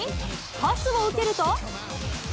パスを受けると。